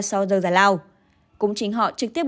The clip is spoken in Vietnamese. sau giờ giải lao cũng chính họ trực tiếp